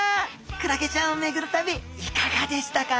クラゲちゃんを巡る旅いかがでしたか？